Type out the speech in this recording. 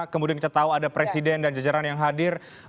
kemudian kita tahu ada presiden dan jajaran yang hadir